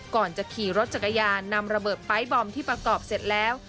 ก่อนจะขี่รถจักรยานนำระเบิดปลายบอมที่ประกอบเสร็จแล้ว